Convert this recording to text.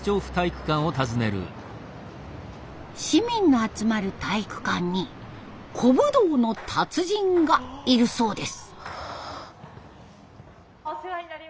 市民の集まる体育館に古武道の達人がいるそうです。